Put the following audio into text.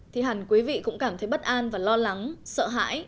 thì hẳn quý vị cũng cảm thấy bất an và lo lắng sợ hãi